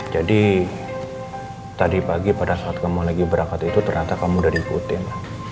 jadi tadi pagi pada saat kamu lagi berangkat itu ternyata kamu udah diikutin